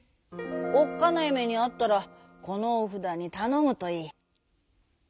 おっかないめにあったらこのおふだにたのむといい」。